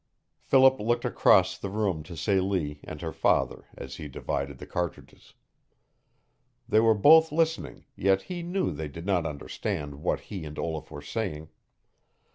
Philip looked across the room to Celie and her father as he divided the cartridges. They were both listening, yet he knew they did not understand what he and Olaf were saying.